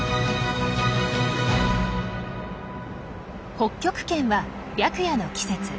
北極圏は白夜の季節。